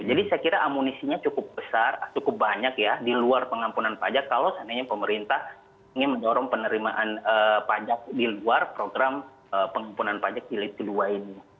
jadi saya kira amunisinya cukup besar cukup banyak ya di luar pengampunan pajak kalau seandainya pemerintah ingin mendorong penerimaan pajak di luar program pengampunan pajak jilid kedua ini